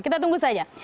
kita tunggu saja